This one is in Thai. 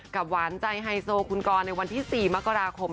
หวานใจไฮโซคุณกรในวันที่๔มกราคม